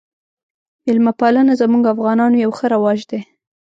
میلمه پالنه زموږ افغانانو یو ښه رواج دی